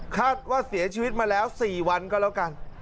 คาดว่าเสียชีวิตมาแล้ว๔วันก็แล้วกัน